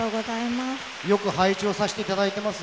よく拝聴させていただいております。